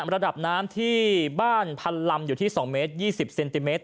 ระดับน้ำที่บ้านพันลำอยู่ที่๒เมตร๒๐เซนติเมตร